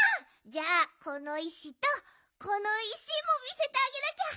じゃあこのいしとこのいしもみせてあげなきゃ。